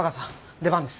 出番です。